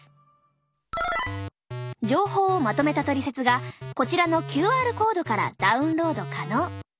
情報をまとめたトリセツがこちらのＱＲコードからダウンロード可能。